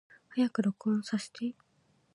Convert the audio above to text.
早く録音させて